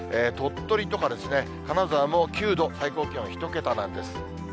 鳥取とか金沢も９度、最高気温１桁なんです。